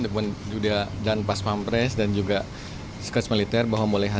deput judia jan pasman pres dan juga sekret militer bahwa boleh